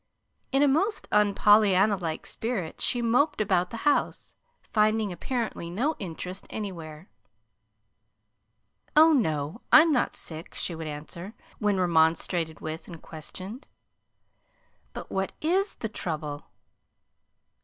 In a most unPollyanna like spirit she moped about the house, finding apparently no interest anywhere. "Oh, no, I'm not sick," she would answer, when remonstrated with, and questioned. "But what IS the trouble?"